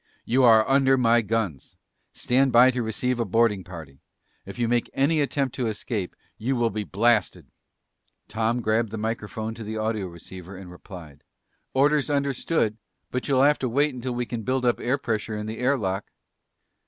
"You are under my guns. Stand by to receive a boarding party. If you make any attempt to escape, you will be blasted!" Tom grabbed the microphone to the audioceiver and replied, "Orders understood, but you'll have to wait until we can build up air pressure in the air lock."